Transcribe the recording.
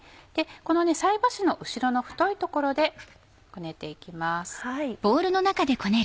この菜箸の後ろの太い所でこねて行きます。